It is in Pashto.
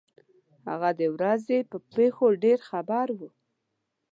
هغه د ورځې په پېښو ډېر خبر وو.